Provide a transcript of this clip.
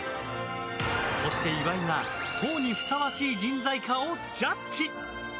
そして、岩井が党にふさわしい人材かをジャッジ。